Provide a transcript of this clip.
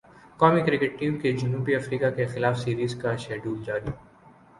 قومی cricket team کے جنوبی افریقہ کیخلاف سیریز کا شیڈول جاری